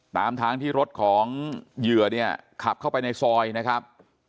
ตามทางที่รถของเหยื่อเนี่ยขับเข้าไปในซอยนะครับ